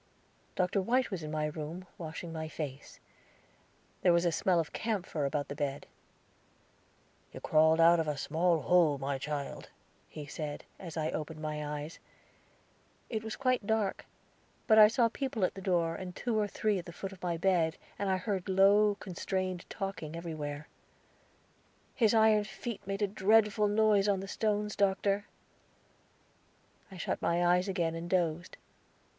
Dr. White was in my room, washing my face. There was a smell of camphor about the bed. "You crawled out of a small hole, my child," he said, as I opened my eyes. It was quite dark, but I saw people at the door, and two or three at the foot of my bed, and I heard low, constrained talking everywhere. "His iron feet made a dreadful noise on the stones, Doctor!" I shut my eyes again and dozed.